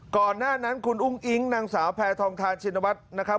ก่อนหน้านั้นคุณอุ้งอิ๊งนางสาวแพทองทานชินวัฒน์นะครับ